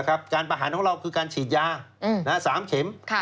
การประหารของเราคือการฉีดยา๓เข็ม